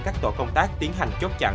các tổ công tác tiến hành chốt chặn